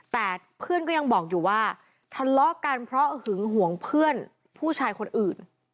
แต่เพื่อนก็ยังบอกอยู่ว่าทะเลาะกันเพราะหึงห่วงเพื่อนผู้ชายคนอื่น